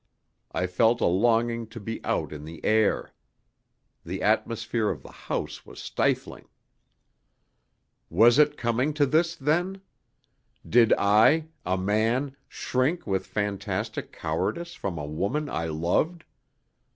I felt a longing to be out in the air. The atmosphere of the house was stifling. Was it coming to this, then? Did I, a man, shrink with a fantastic cowardice from a woman I loved?